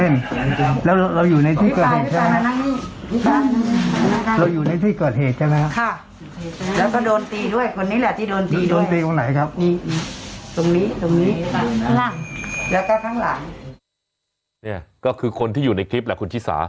นี่ก็คือคนที่อยู่ในคลิปแหละคุณชิสา